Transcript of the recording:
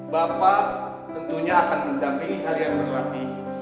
bapak tentunya akan mendampingi kalian berlatih